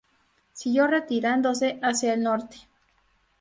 Siguió retirándose hacia el norte.